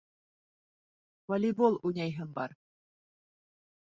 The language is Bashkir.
Волейбол уйнайһым бар.